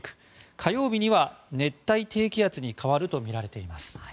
火曜日には熱帯低気圧に変わるとみられています。